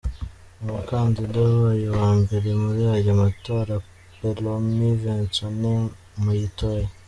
Umukandida wabaye uwa mbere muri aya amatora, Pelomi Vensoni-Moyitoyi.